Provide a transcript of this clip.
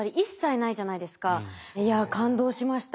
いや感動しました。